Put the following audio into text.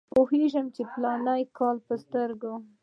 پوهېږم چې د فلاني کال په سر کې.